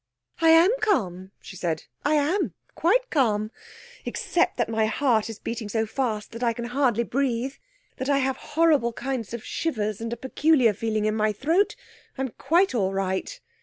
'I am calm,' she said. 'I am; quite calm. Except that my heart is beating so fast that I can hardly breathe, that I have horrible kinds of shivers and a peculiar feeling in my throat, I'm quite all right.